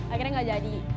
akhirnya gak jadi